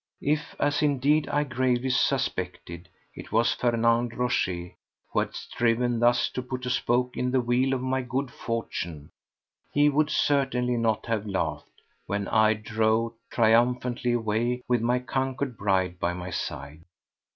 If, as indeed I gravely suspected, it was Fernand Rochez who had striven thus to put a spoke in the wheel of my good fortune, he would certainly not have laughed when I drove triumphantly away with my conquered bride by my side.